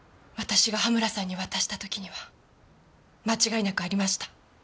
私が羽村さんに渡した時には間違いなくありました。